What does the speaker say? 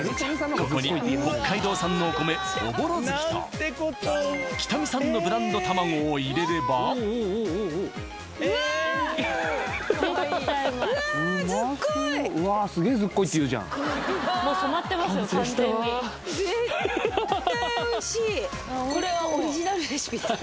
ここに北海道産のお米おぼろづきと北見産のブランド卵を入れればずっこい完成したわこれはオリジナルレシピですか？